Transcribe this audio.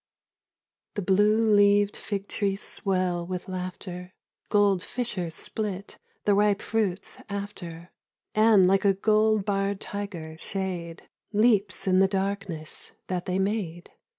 HE bluc lcaved fig trees swell with laughter, Gold fissures split the ripe fruits after, And like a gold barred tiger, shade Leaps in the darkness that they made.